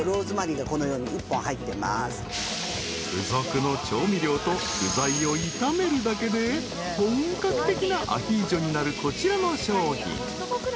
［付属の調味料と具材を炒めるだけで本格的なアヒージョになるこちらの商品］